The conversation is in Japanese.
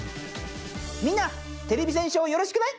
みんなてれび戦士をよろしくね！